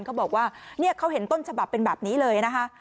เขาบอกว่าเนี่ยเขาเห็นต้นฉบับเป็นแบบนี้เลยนะคะ